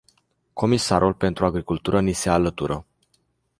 Comisarul pentru agricultură ni se alătură.